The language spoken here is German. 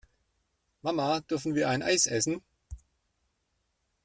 Mama, dürfen wir ein Eis essen?